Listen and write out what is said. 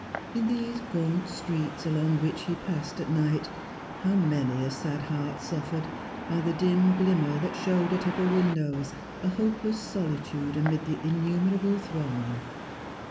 In these gaunt streets along which he passed at night, how many a sad heart suffered, by the dim glimmer that showed at upper windows, a hopeless solitude amid the innumerable throng!